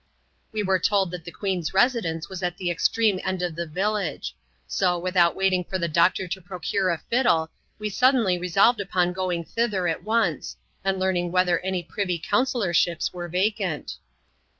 We were told that the queen's residence was at the extreme end of the village ; so, without waiting for the doctor to procure a fiddle, we suddenly resolved upon going thither at once, and learning whether any privy councillorships were vacant.